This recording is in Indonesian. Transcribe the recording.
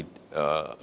kita bisa membangunnya